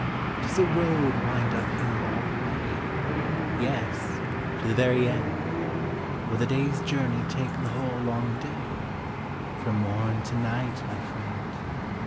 Does the road wind up hill all the way? Yes, to the very end. Will the day's journey take the whole long day? From morn to night, my friend.